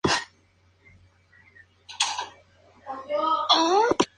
Las preocupaciones religiosas, entonces, eran secundarias.